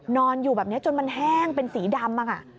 นอนอยู่แบบนี้จนมันแห้งเป็นสีดำ